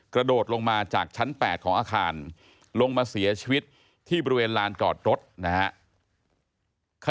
กระโดดลงมาจากชั้น๘ของอาคารลงมาเสียชีวิตที่บริเวณลานจอดรถนะครับ